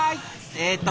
えっと